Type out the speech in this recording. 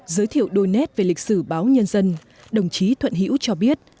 giới thiệu đôi nét về lịch sử báo nhân dân đồng chí thuận hữu cho biết